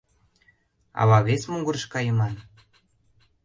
Ала вес могырыш кайыман?